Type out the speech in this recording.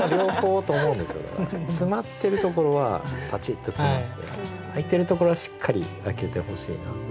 詰まってるところはパチッと詰まって空いてるところはしっかり空けてほしいなって。